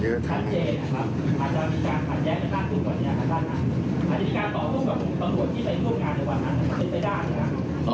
กล่อเหตุมากกว่าคืออะไรคือ